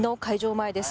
前です。